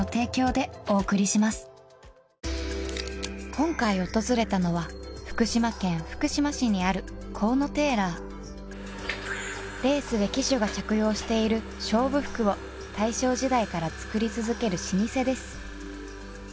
今回訪れたのは福島県福島市にあるレースで騎手が着用している勝負服を大正時代から作り続ける老舗です